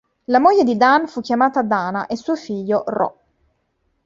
La moglie di Dan fu chiamata Dana e suo figlio Ro.